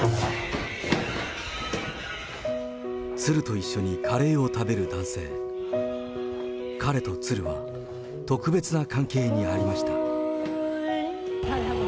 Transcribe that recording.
鶴と一緒にカレーを食べる彼と鶴は、特別な関係にありました。